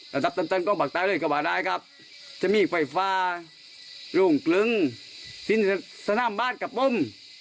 ระดับตั้งแต่ละกว่าได้ครับจะมีไฟฟ้ารุ่งกลึงสินสนามบ้านกับปุ้ม